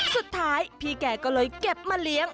สุดท้ายพี่แกก็เลยเก็บมาเลี้ยง